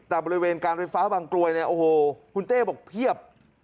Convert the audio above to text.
แต่บริเวณการไฟฟ้าบางกลวยคุณเต้บอกเพียบ